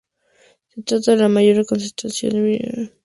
Se trata de la mayor concentración de vicuñas de Argentina.